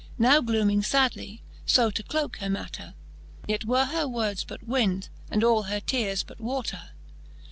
Now glooming fadly, fo to cloke her matter ; "Yet were her words but wynd, and all her teares but water.